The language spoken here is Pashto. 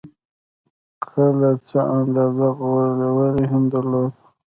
کلا څه اندازه غولی هم درلود.